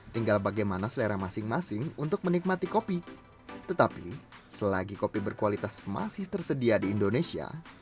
tinggal bagaimana selera masing masing untuk menurut saya